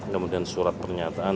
kemudian surat pernyataan